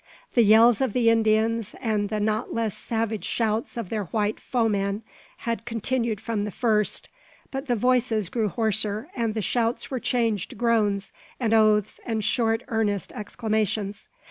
The yells of the Indians, and the not less savage shouts of their white foemen, had continued from the first; but the voices grew hoarser, and the shouts were changed to groans, and oaths, and short, earnest exclamations.